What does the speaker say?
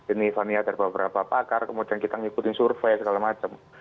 ini fania dari beberapa pakar kemudian kita ngikutin survei segala macam